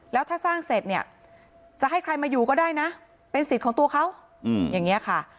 แล้วถ้าสร้างเสร็จเนี่ยจะให้ใครมาอยู่ก็ได้นะเป็นสิทธิ์ของตัวเขาอย่างนี้ค่ะ